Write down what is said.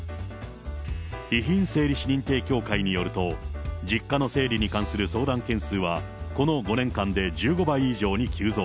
遺品整理士認定協会によると、実家の整理に関する相談件数は、この５年間で１５倍以上に急増。